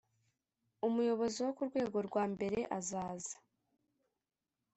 umuyobozi wo ku rwego rwa mbere azaza.